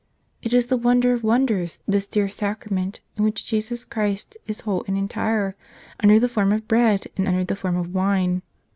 It is the wonder of wonders, this dear Sacrament in which Jesus Christ is whole and entire under the form of bread and under the form of wine.